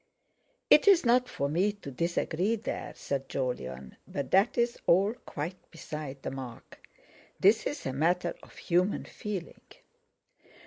"It's not for me to disagree there," said Jolyon; "but that's all quite beside the mark. This is a matter of human feeling."